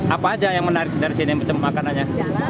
apa aja yang menarik dari sini macam makanannya